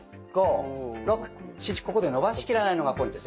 ここで伸ばしきらないのがポイントです。